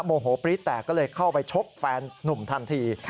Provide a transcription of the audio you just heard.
โมโหปรี๊ดแตกก็เลยเข้าไปชกแฟนนุ่มทันที